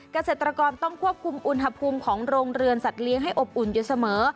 เกษตรกรต้องควบคุมอุณหภูมิของโรงเรือนสัตว์เลี้ยงให้อบอุ่นอยู่เสมอ